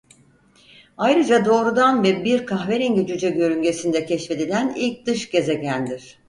Ayrıca doğrudan ve bir kahverengi cüce yörüngesinde keşfedilen ilk dış gezegendir.